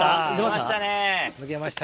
抜けました？